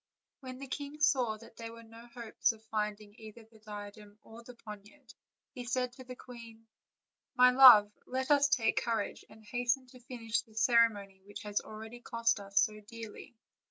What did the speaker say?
When the king saw that there were no hopes of find. 344 OLD, OLD FAIRY TALES. ing either the diadem or the poniard he said to the queen: "My love, let us take courage and hasten to finish the ceremony which has already cost us so dearly."